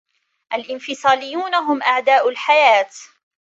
الإنفصاليون هم أعداء الحياة.